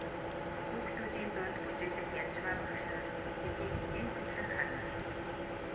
Хүүхдүүдийн дунд бүжиглэх Янжмаа багш нь тэднийг инээмсэглэн харна.